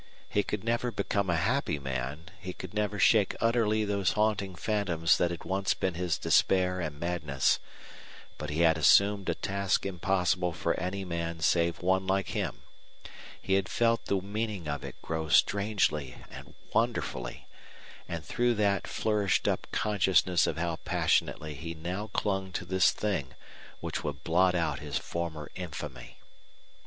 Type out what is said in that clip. He could never become a happy man, he could never shake utterly those haunting phantoms that had once been his despair and madness; but he had assumed a task impossible for any man save one like him, he had felt the meaning of it grow strangely and wonderfully, and through that flourished up consciousness of how passionately he now clung to this thing which would blot out his former infamy.